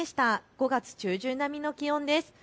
５月中旬並みの気温です。